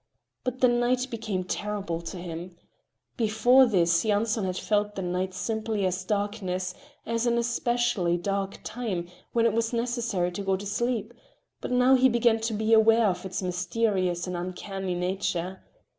But the night became terrible to him. Before this Yanson had felt the night simply as darkness, as an especially dark time, when it was necessary to go to sleep, but now he began to be aware of its mysterious and uncanny nature.